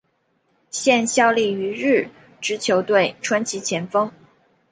现效力于日职球队川崎前锋。